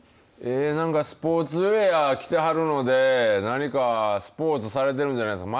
何かスポーツウエア着てはるので何かスポーツしてはるんじゃないですか。